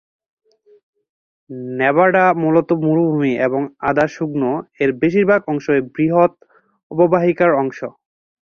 Nevada মূলত মরুভূমি এবং আধা-শুকনো, এর বেশিরভাগ অংশই বৃহৎ অববাহিকার অংশ।